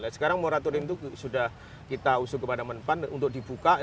sekarang moratorium itu sudah kita usung kepada menpan untuk dibuka